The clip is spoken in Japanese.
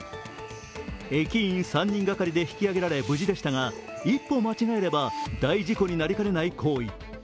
駅員３人がかりで引き揚げられ無事でしたが一歩間違えれば大事故になりかねない行為。